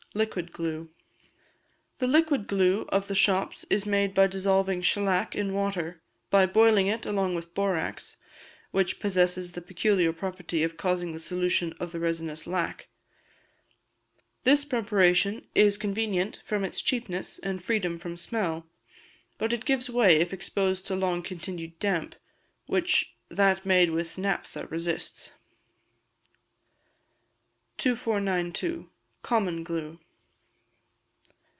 Liquid Glue. The liquid glue of the shops is made by dissolving shelac in water, by boiling it along with borax, which posesses the peculiar property of causing the solution of the resinous lac. This preparation is convenient from its cheapness and freedom from smell; but it gives way if exposed to long continued damp, which that made with naphtha resists. 2492. Common Glue.